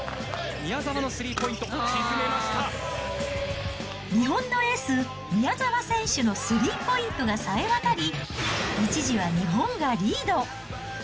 宮澤のスリーポイント沈めました日本のエース、宮澤選手のスリーポイントがさえ渡り、一時は日本がリード。